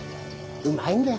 うまいんだよ